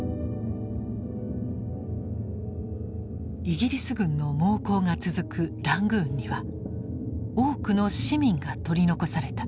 イギリス軍の猛攻が続くラングーンには多くの市民が取り残された。